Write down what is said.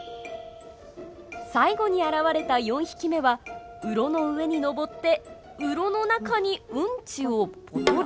最後に現れた４匹目はウロの上に上ってウロの中にウンチをポトリ！